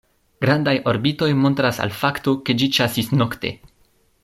Grandaj orbitoj montras al fakto, ke ĝi ĉasis nokte.